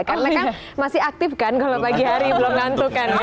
karena kan masih aktif kan kalau pagi hari belum ngantuk kan ya